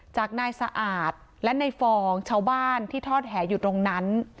จากนายสะอาดและในฟองชาวบ้านที่ทอดแหอยู่ตรงนั้น